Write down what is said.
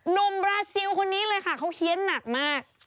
บราซิลคนนี้เลยค่ะเขาเฮียนหนักมาก